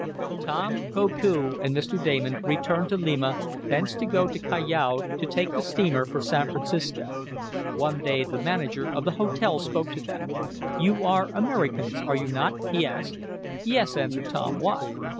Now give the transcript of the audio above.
Tom, Koku and Mr. Damon returned to Lima, thence to go to Callao to take the steamer for San Francisco. One day the manager of the hotel spoke to them. "You are Americans, are you not?" he asked. "Yes," answered Tom. "Why?"